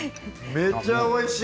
めっちゃおいしい！